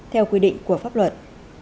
theo quy định của pháp luật